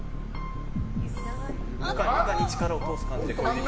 中に力を通す感じで。